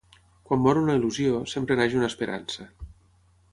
Quan mor una il·lusió, sempre neix una esperança.